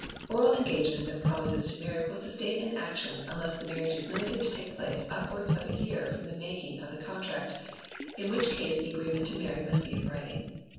Oral engagements and promises to marry will sustain an action, unless the marriage is limited to take place upwards of a year from the making of the contract, in which case the agreement to marry must be in writing.